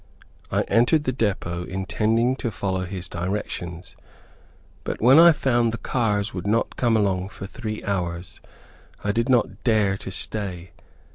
I entered the depot intending to follow his directions; but when I found the cars would not come along for three hours, I did not dare to stay.